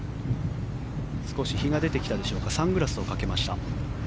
少し日が出てきたでしょうかサングラスをかけました。